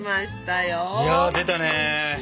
いや出たね。